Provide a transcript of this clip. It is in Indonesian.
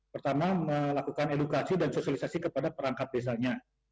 pertama melakukan edukasi dan sosialisasi kepada perangkat desanya